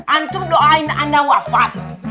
antum doain anda wafat